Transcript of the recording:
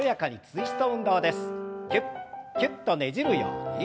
キュッキュッとねじるように。